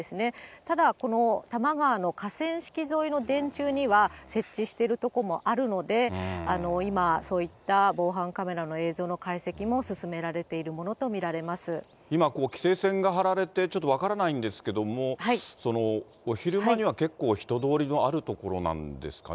ただ、この多摩川の河川敷沿いの電柱には、設置してる所もあるので、今、そういった防犯カメラの映像の解析も進められているものと見られ今、規制線が張られて、ちょっと分からないんですけれども、お昼間には結構、人通りもある所なんですかね？